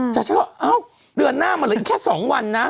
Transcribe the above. ชาวนี้ก็เหรอเดือนหน้าหมดหรือแค่๒วันนะ